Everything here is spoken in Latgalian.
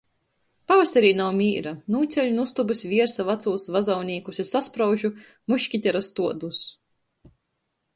Pavasarī nav mīra, nūcieļu nu ustobys viersa vacūs vazaunīkus i saspraužu muškitera stuodus.